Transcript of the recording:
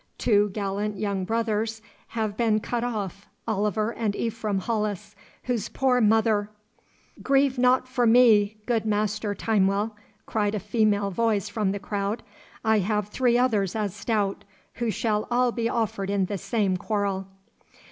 Two gallant young brothers have been cut off, Oliver and Ephraim Hollis, whose poor mother ' 'Grieve not for me, good Master Timewell,' cried a female voice from the crowd. 'I have three others as stout, who shall all be offered in the same quarrel.